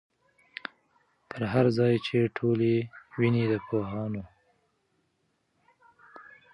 پر هر ځای چي ټولۍ وینی د پوهانو